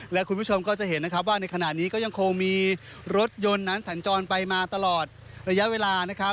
และคุณผู้ชมก็จะเห็นนะครับว่าในขณะนี้ก็ยังคงมีรถยนต์นั้นสัญจรไปมาตลอดระยะเวลานะครับ